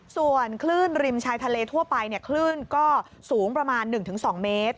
ส่วนคลื่นริมชายทะเลทั่วไปคลื่นก็สูงประมาณ๑๒เมตร